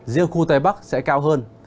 riêng khu tây bắc sẽ cao hơn